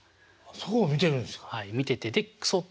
そこを見てるんですか。